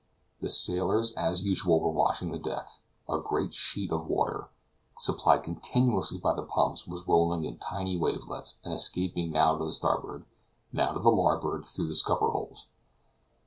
The sailors as usual were washing the deck. A great sheet of water, supplied continuously by the pumps, was rolling in tiny wavelets, and escaping now to starboard, now to larboard through the scupper holes.